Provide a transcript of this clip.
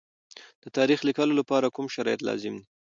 د تاریخ لیکلو لپاره کوم شرایط لازم دي؟